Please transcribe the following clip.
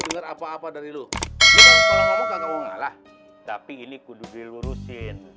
denger apa apa dari lu kalau mau kagak mau ngalah tapi ini kududil urusin